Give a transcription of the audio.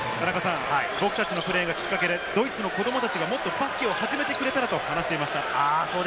僕たちのプレーがきっかけでドイツの子どもたちがもっとバスケを始めてくれたらと話していました。